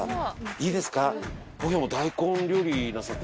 いいですか？